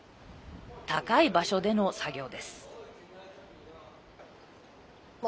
高い場所での作業です。